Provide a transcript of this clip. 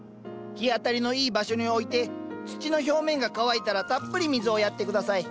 日当たりのいい場所に置いて土の表面が乾いたらたっぷり水をやって下さい。